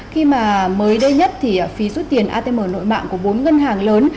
khi mà mới đây nhất thì phí rút tiền atm nội mạng của bốn ngân hàng lớn